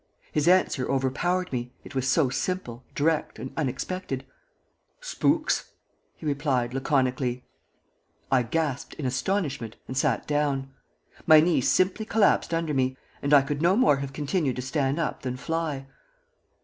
His answer overpowered me, it was so simple, direct, and unexpected. "Shpooks," he replied, laconically. I gasped in astonishment, and sat down. My knees simply collapsed under me, and I could no more have continued to stand up than fly.